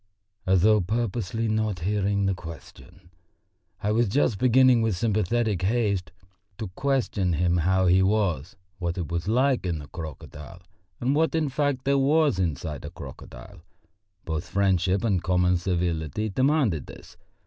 As though purposely not hearing the question, I was just beginning with sympathetic haste to question him how he was, what it was like in the crocodile, and what, in fact, there was inside a crocodile. Both friendship and common civility demanded this.